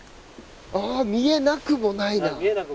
ああ見えなくもないな。